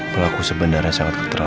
pelaku sebenarnya sangat kebongk clinical